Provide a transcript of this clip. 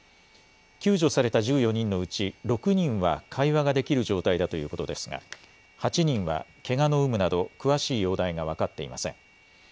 救助された１４人のうち６人は会話ができる状態だということですが、８人はけがの有無など、詳しい容体が分かっていません。